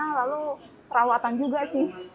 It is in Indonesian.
lalu perawatan juga sih